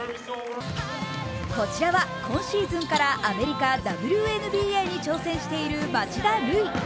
こちらは今シーズンからアメリカＷＮＢＡに挑戦している町田瑠唯。